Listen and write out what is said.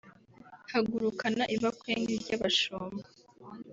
Hagurukana ibakwe nk’iry’abashumba